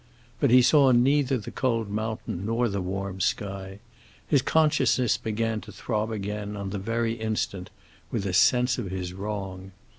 But he saw neither the cold mountain nor the warm sky; his consciousness began to throb again, on the very instant, with a sense of his wrong.